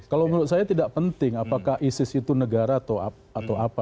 kalau menurut saya tidak penting apakah isis itu negara atau apa